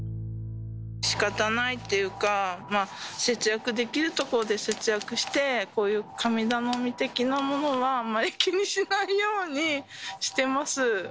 しかたないというか、節約できるところで節約して、こういう神頼み的なものは、あまり気にしないようにしてます。